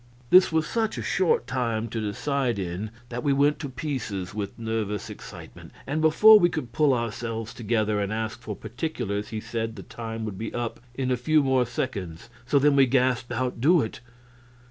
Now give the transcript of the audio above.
This was such a short time to decide in that we went to pieces with nervous excitement, and before we could pull ourselves together and ask for particulars he said the time would be up in a few more seconds; so then we gasped out, "Do it!"